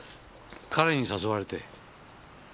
彼に誘われて。